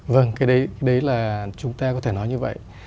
vâng cái đấy đấy là chúng ta có thể nói như vậy